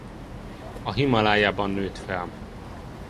A Himalájában nőtt fel.